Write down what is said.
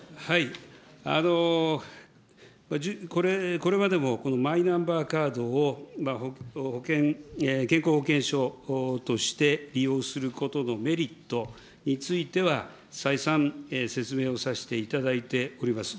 これまでもこのマイナンバーカードを、保険、健康保険証として利用することのメリットについては、再三、説明をさせていただいております。